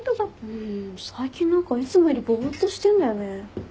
うん最近何かいつもよりぼーっとしてんだよね。